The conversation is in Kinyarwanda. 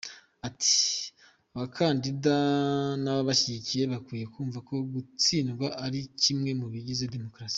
Ati “Abakandida n’ababashyigikiye bakwiye kumva ko gutsindwa ari kimwe mu bigize demokarasi.